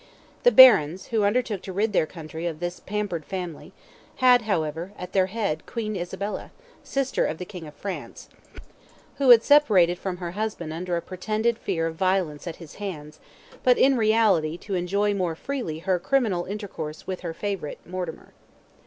The Barons, who undertook to rid their country of this pampered family, had, however, at their head Queen Isabella, sister of the King of France, who had separated from her husband under a pretended fear of violence at his hands, but in reality to enjoy more freely her criminal intercourse with her favourite, Mortimer.